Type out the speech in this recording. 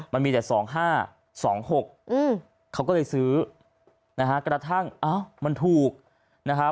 มันมีแต่๒๕๒๖เขาก็เลยซื้อกระทั่งอ้าวมันถูก